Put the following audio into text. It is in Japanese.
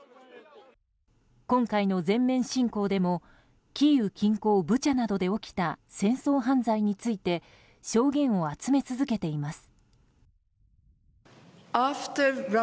今回の全面侵攻でもキーウ近郊ブチャなどで起きた戦争犯罪について証言を集め続けています。